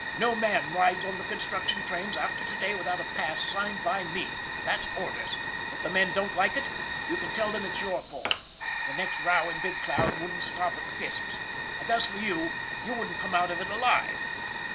No man rides on the construction trains after to day without a pass signed by me. That's orders! If the men don't like it, you can tell them it's your fault. The next row in Big Cloud wouldn't stop at fists. And as for you, you wouldn't come out of it alive."